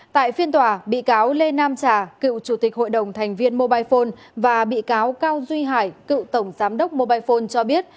tại phiên tòa bị cáo lê nam trà cựu chủ tịch hội đồng thành viên mobile phone và bị cáo cao duy hải cựu tổng giám đốc mobile phone cho biết